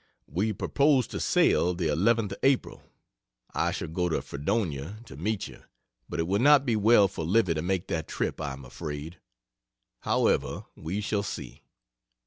We propose to sail the 11th of April. I shall go to Fredonia to meet you, but it will not be well for Livy to make that trip I am afraid. However, we shall see.